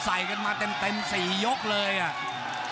ใส่กันมาเต็ม๔ยกเลยอ่ะ